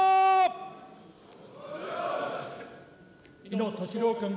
井野俊郎君。